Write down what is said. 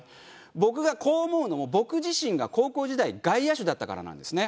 僕がこう思うのも僕自身が高校時代外野手だったからなんですね。